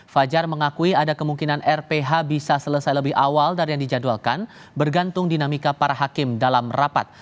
fajar mengakui ada kemungkinan rph bisa selesai lebih awal dari yang dijadwalkan bergantung dinamika para hakim dalam rapat